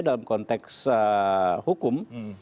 dalam konteks hukum